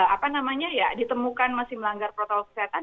apa namanya ya ditemukan masih melanggar protokol kesehatan